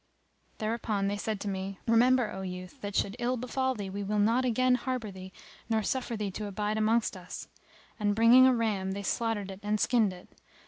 Thereupon they said to me, "Remember, O youth, that should ill befal thee we will not again harbour thee nor suffer thee to abide amongst us;" and bringing a ram they slaughtered it and skinned it.